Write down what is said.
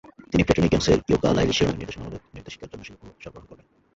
তিনি প্লেটোনিক গেমসের "ইয়োকা-লাইলি" শিরোনামের নির্দেশনামূলক নির্দেশিকার জন্য শিল্প সরবরাহ করবেন।